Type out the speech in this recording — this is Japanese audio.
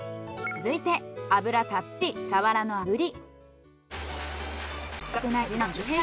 続いて脂たっぷりサワラの炙り。